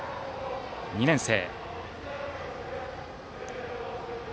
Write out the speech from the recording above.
２年生。